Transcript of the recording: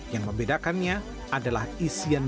yang membedakannya adalah isian